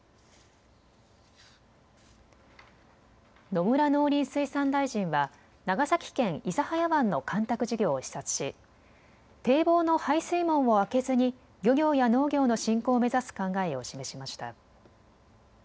野村農林水産大臣は長崎県諫早湾の干拓事業を視察し堤防の排水門を開けずに漁業や農業の振興を目指す考えを示しました。